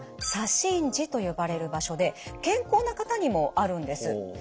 左心耳と呼ばれる場所で健康な方にもあるんです。